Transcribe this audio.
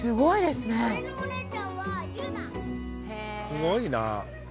すごいなぁ。